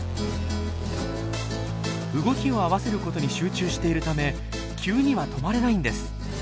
動きを合わせることに集中しているため急には止まれないんです。